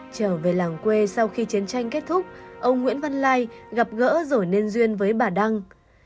trở về làng quê sau khi chiến tranh kết thúc ông nguyễn văn lai gặp gỡ rồi nên duyên với bà đăng